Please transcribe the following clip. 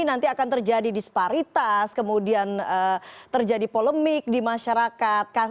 nanti akan terjadi disparitas kemudian terjadi polemik di masyarakat